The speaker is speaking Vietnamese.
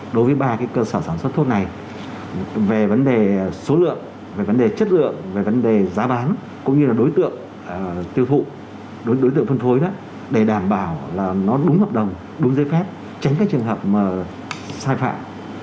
đối tượng phân phối để đảm bảo là nó đúng hợp đồng đúng giới phép tránh trường hợp sai phạm